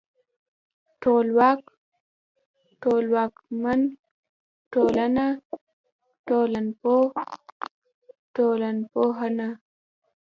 ټولواک ، ټولواکمن، ټولنه، ټولنپوه، ټولنپوهنه